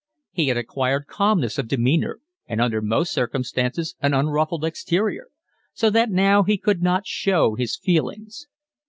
He had acquired calmness of demeanour and under most circumstances an unruffled exterior, so that now he could not show his feelings.